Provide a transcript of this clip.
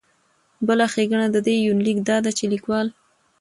بله ښېګنه د دې يونليک دا ده چې ليکوال